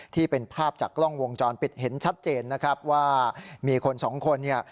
ที่เป็นภาพจากกล้องวงจรปิดเห็นชัดเจนนะครับว่ามีคนสองคนเนี่ย